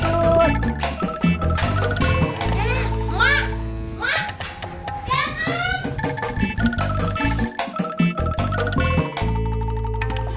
mak mak jangan